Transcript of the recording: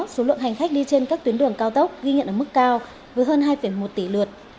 số lượng hành khách đi trên các tuyến đường cao tốc ghi nhận ở mức cao với hơn hai một tỷ lượt